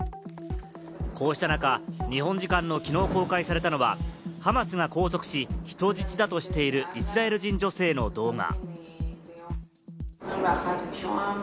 こうした中、日本時間のきのう公開されたのは、ハマスが拘束し人質だとしているイスラエル人女性の動画。